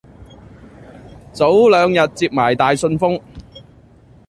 早兩日接埋大信封